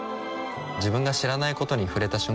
自分が知らないことに触れた瞬間